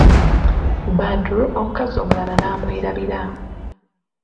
Badru omukazi omulala n'amwerabira.